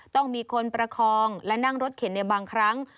ต้องมีคนประคองและนั่งรถเข็นในบางครั้ง